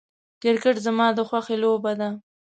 کرکټ زما د خوښې لوبه ده .